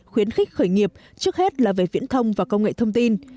khuyến khích khởi nghiệp trước hết là về viễn thông và công nghệ thông tin